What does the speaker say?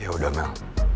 ya udah mel